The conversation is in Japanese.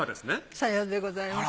さようでございます。